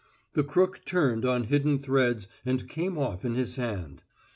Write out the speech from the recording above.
The crook turned on hidden threads and came off in his hand.